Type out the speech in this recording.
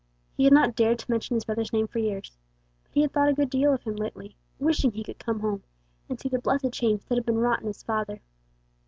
He had not dared to mention his brother's name for years, but he had thought a good deal of him lately, wishing he could come home, and see the blessed change that had been wrought in his father.